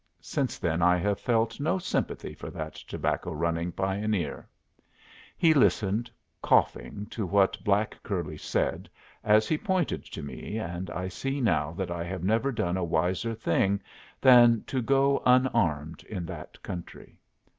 Since then I have felt no sympathy for that tobacco running pioneer. He listened, coughing, to what black curly said as he pointed to me, and I see now that I have never done a wiser thing than to go unarmed in that country.